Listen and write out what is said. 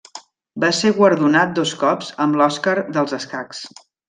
Va ser guardonat dos cops amb l'Òscar dels escacs.